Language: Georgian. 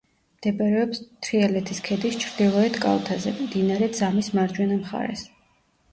მდებარეობს თრიალეთის ქედის ჩრდილოეთ კალთაზე, მდინარე ძამის მარჯვენა მხარეს.